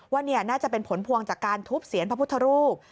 ว่านี่น่าจะเป็นผลพวงจากการทุบเสียนพระพุทธรูป